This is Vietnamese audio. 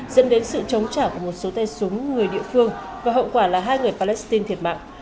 dẫn đến sự chống trả của một số tay súng người địa phương và hậu quả là hai người palestine thiệt mạng